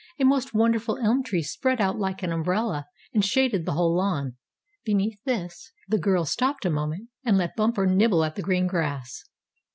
A most wonderful elm tree spread out like an umbrella and shaded the whole lawn. Beneath this the girl stopped a moment, and let Bumper nibble at the green grass.